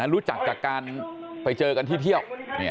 รู้จักจากการไปเจอกันที่เที่ยว